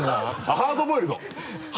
「ハードボイルド」